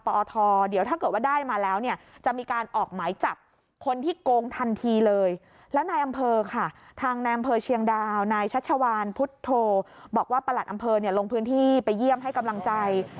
ปิธิชะวานพุทธโทบอกว่าปลดอำเภอเนี่ยลงพื้นที่ไปเยี่ยมให้กำลังใจ